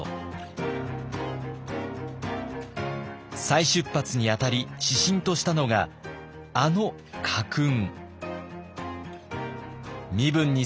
再出発にあたり指針としたのがあの家訓。